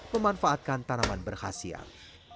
memanfaatkan tanaman berkhasiat